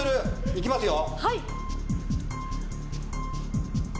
いきますよ。